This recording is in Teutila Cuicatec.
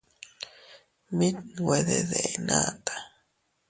Mit nwe de deʼn ata.